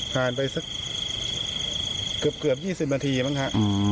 ผ่านไปเกือบ๒๐นาทีมั้งค่ะ